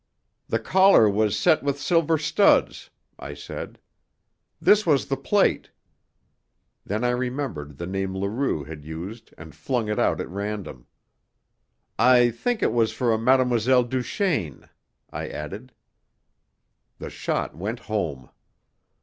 "The collar was set with silver studs," I said. "This was the plate." Then I remembered the name Leroux had used and flung it out at random. "I think it was for a Mlle. Duchaine," I added. The shot went home.